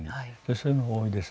そういうのが多いです。